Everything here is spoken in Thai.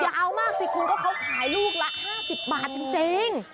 ยาวมากสิคุณก็เขาขายลูกละ๕๐บาทจริง